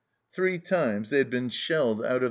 Three times they had been shelled out of their 1.